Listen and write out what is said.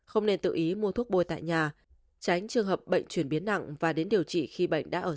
không nên tự ý mua thuốc bôi tại nhà tránh trường hợp bệnh chuyển biến nặng và đến điều trị khi bệnh đã ở giai đoạn muộn